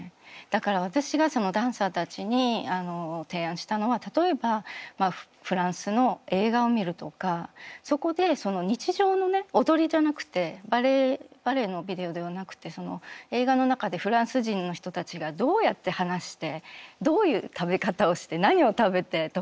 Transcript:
だから私がダンサーたちに提案したのは例えばフランスの映画を見るとかそこで日常のね踊りじゃなくてバレエのビデオではなくて映画の中でフランス人の人たちがどうやって話してどういう食べ方をして何を食べてとかそういうことで。